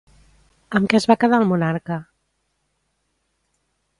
Amb què es va quedar el monarca?